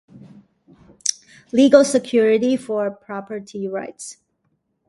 Legal security for property rights.